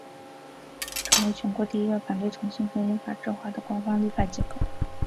成为全国第一个反对同性婚姻法制化的官方立法机构。